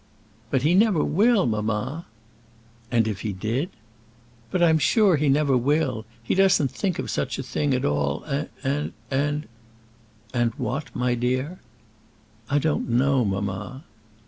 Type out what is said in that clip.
"But he never will, mamma." "And if he did?" "But I'm sure he never will. He doesn't think of such a thing at all and and " "And what, my dear?" "I don't know, mamma."